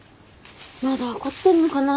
まだ怒ってんのかなぁ。